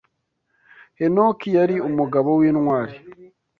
Henoki yari umugabo w’intwari